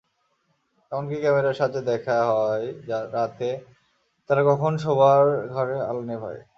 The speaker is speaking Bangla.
এমনকি, ক্যামেরার সাহায্যে দেখা হয়, রাতে তারা কখন শোবার ঘরের আলো নেভায়।